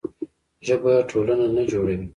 ژبه ټولنه نه جوړوي.